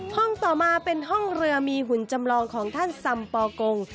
ห้องต่อมาเป็นห้องเรือมีหุ่นจำลองของท่านซัมปอกง